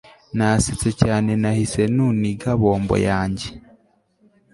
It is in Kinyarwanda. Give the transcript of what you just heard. Nasetse cyane Nahise nuniga bombo yanjye